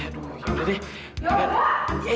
aduh ya udah deh